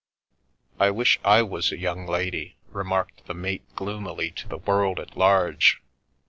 "I wish / was a young lady," remarked the mate gloomily to the world at large.